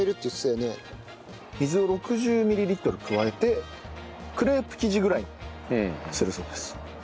水を６０ミリリットル加えてクレープ生地ぐらいにするそうです。